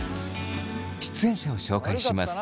出演者を紹介します。